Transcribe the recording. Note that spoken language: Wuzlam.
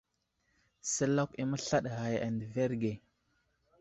Səlakw i məslaɗ ghay a ndəverge.